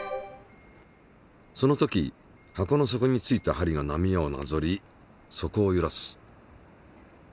その時箱の底についた針が波をなぞり底をゆらす。